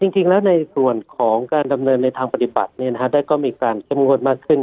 จริงแล้วในส่วนของการดำเนินในทางปฏิบัติได้ก็มีการเข้มงวดมากขึ้น